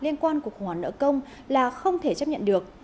nợ công là không thể chấp nhận được